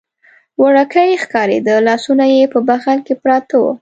وړوکی ښکارېده، لاسونه یې په بغل کې پراته و.